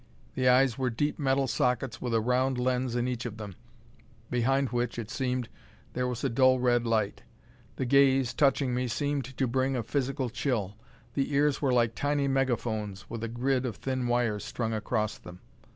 The eyes were deep metal sockets with a round lens in each of them, behind which, it seemed, there was a dull red light. The gaze, touching me, seemed to bring a physical chill. The ears were like tiny megaphones with a grid of thin wires strung across them.